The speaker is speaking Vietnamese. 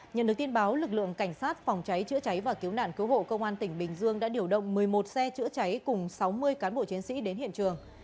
nhận được tin báo lực lượng cảnh sát phòng cháy chữa cháy và cứu nạn cứu hộ công an tỉnh bình dương đã điều động một mươi một xe chữa cháy cùng sáu mươi cán bộ chiến sĩ đến hiện trường